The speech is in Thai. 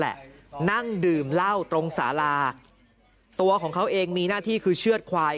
นั่งดื่มเหล้าตรงสาราตัวของเขาเองมีหน้าที่คือเชื่อดควาย